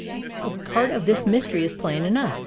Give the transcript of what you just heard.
A part of this mystery is plain enough.